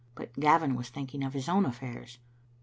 But Gavin was thinking of his own affairs.